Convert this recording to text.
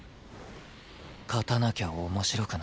勝たなきゃ面白くない。